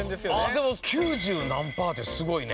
でも九十何パーってすごいね。